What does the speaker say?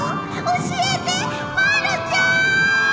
教えてまるちゃーん！